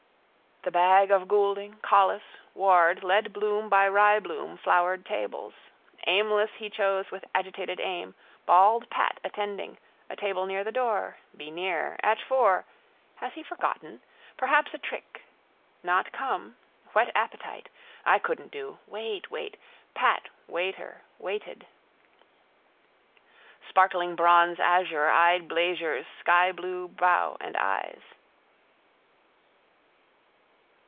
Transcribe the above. The bag of Goulding, Collis, Ward led Bloom by ryebloom flowered tables. Aimless he chose with agitated aim, bald Pat attending, a table near the door. Be near. At four. Has he forgotten? Perhaps a trick. Not come: whet appetite. I couldn't do. Wait, wait. Pat, waiter, waited. Sparkling bronze azure eyed Blazure's skyblue bow and eyes.